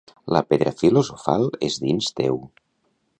La pedra filosofal és dins teu